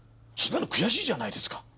そんなの悔しいじゃないですか。